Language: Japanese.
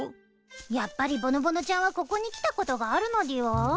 やっぱりぼのぼのちゃんはここに来たことがあるのでぃは？